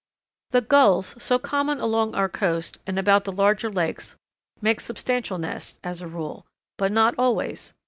The Gulls so common along our coast and about the larger lakes make substantial nests, as a rule but not always.